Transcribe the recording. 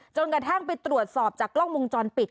กระทั่งไปตรวจสอบจากกล้องวงจรปิด